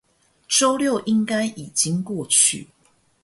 週六應該已經過去